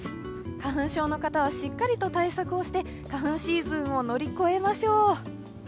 花粉症の方はしっかりと対策をして花粉シーズンを乗り越えましょう。